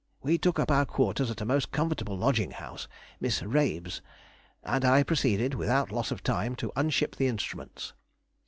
We took up our quarters at a most comfortable lodging house (Miss Rabe's), and I proceeded, without loss of time, to unship the instruments.